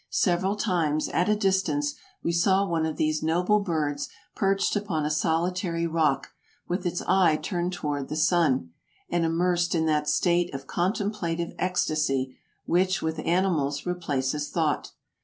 Several times, at a distance, we saw one of these noble birds perched upon a solitary rock, with its eye turned toward the sun, and immersed in that state of contemplative ecstasy which with animals replaces thought.